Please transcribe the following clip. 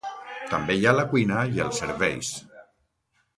També hi ha la cuina i els serveis.